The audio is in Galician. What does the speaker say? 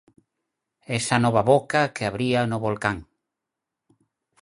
Esa nova boca que abría no volcán.